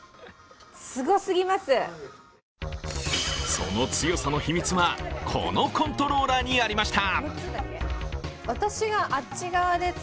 その強さの秘密はこのコントローラーにありました。